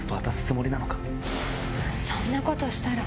そんなことしたら！